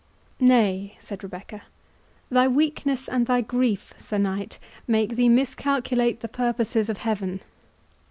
"Nay," said Rebecca, "thy weakness and thy grief, Sir Knight, make thee miscalculate the purposes of Heaven.